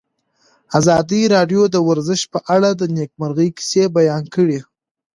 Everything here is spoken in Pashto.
ازادي راډیو د ورزش په اړه د نېکمرغۍ کیسې بیان کړې.